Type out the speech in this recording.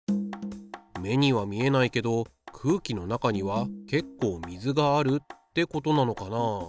目には見えないけど空気の中には結構水があるってことなのかな。